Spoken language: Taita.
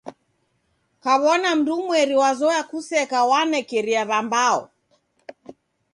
Kaw'ona mndu umweri wazoya kuseka wanekeria w'ambao.